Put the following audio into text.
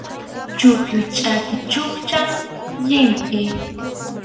Chuqllup chʼaki chukchan llimpʼi.